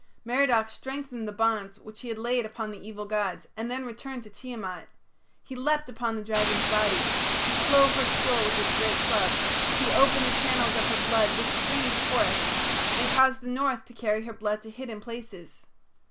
Merodach strengthened the bonds which he had laid upon the evil gods and then returned to Tiamat. He leapt upon the dragon's body; he clove her skull with his great club; he opened the channels of her blood which streamed forth, and caused the north to carry her blood to hidden places.